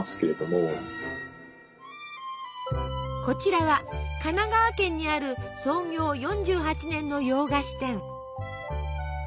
こちらは神奈川県にある創業４８年の洋菓子店。